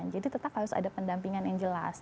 jadi tetap harus ada pendampingan yang jelas